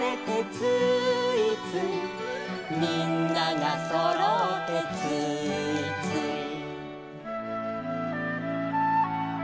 「みんながそろってつーいつい」